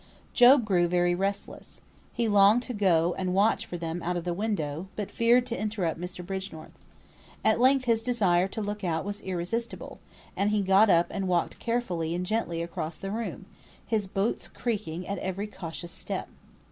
Job grew very restless. He longed to go and watch for them out of the window, but feared to interrupt Mr. Bridgenorth. At length his desire to look out was irresistible, and he got up and walked carefully and gently across the room, his boots creaking at every cautious step.